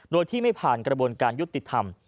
โดยที่ไม่ผ่านกระบวนการยุติธรรม